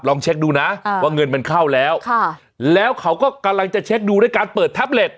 ลองเช็คดูนะว่าเงินมันเข้าแล้วแล้วเขาก็กำลังจะเช็คดูด้วยการเปิดแท็บเล็ต